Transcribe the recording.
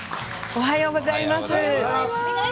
おはようございます。